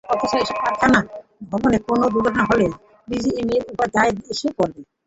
অথচ এসব কারখানা ভবনে কোনো দুর্ঘটনা হলে বিজিএমইএর ওপর দায় এসে পড়বে।